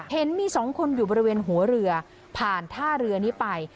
เห็นมีสองคนอยู่บริเวณหัวเรือผ่านท่าเรือนี้ไป